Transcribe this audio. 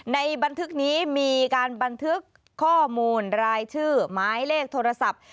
ในบันทึกนี้มีการบันทึกข้อมูลรายชื่อหมายเลขโทรศัพท์